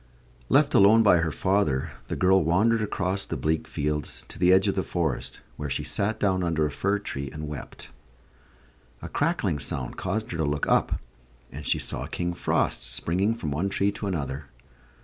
Left alone by her father, the girl wandered across the bleak fields to the edge of the forest, where she sat down under a fir tree and wept. A crackling sound caused her to look up, and she saw King Frost springing from one tree to another.